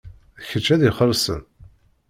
D kečč ad ixellṣen.